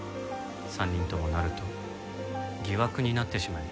３人ともなると疑惑になってしまいます。